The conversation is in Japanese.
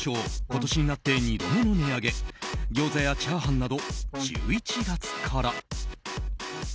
今年になって２度目の値上げ餃子やチャーハンなど１１月から。